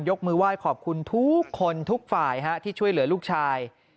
มือไหว้ขอบคุณทุกคนทุกฝ่ายที่ช่วยเหลือลูกชาย